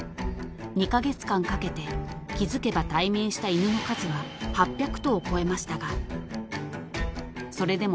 ［２カ月間かけて気付けば対面した犬の数は８００頭を超えましたがそれでも］